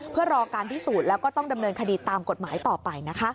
เพื่อรอการพิสูจน์แล้วก็ต้องดำเนินคดีตามกฎหมายต่อไปนะคะ